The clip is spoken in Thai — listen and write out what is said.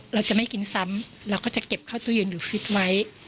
เราจะไม่กินซ้ำเราก็จะเก็บข้าวตัวยืนอยู่ฟิตไว้